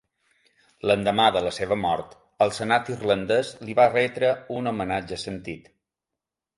L'endemà de la seva mort el Senat irlandès li va retre un homenatge sentit.